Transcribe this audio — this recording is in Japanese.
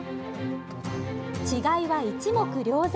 違いは一目瞭然。